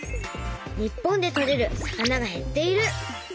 「日本でとれる魚が減っている」。